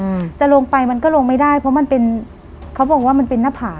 อืมจะลงไปมันก็ลงไม่ได้เพราะมันเป็นเขาบอกว่ามันเป็นหน้าผาก